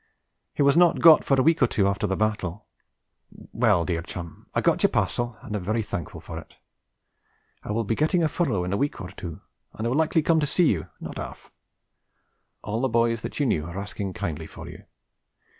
He was not got for a week or two after the battle. Well, dear chum, I got your parcel and am very thankful for it. I will be getting a furlough in a week or two and I will likely come and see you, not half. All the boys that you knew are asking kindly for you.